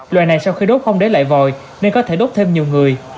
loài này sau khi đốt không để lại vòi nên có thể đốt thêm nhiều người